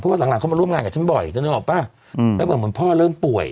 เพราะว่าหลังหลังเขามาร่วมงานกับฉันบ่อยเธอนึกออกป่ะแล้วแบบเหมือนพ่อเริ่มป่วย